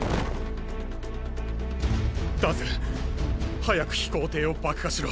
ダズ早く飛行艇を爆破しろ。